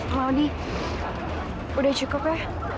claudie udah cukup ya